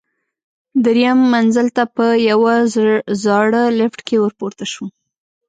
درېیم منزل ته په یوه زړه لفټ کې ورپورته شوم.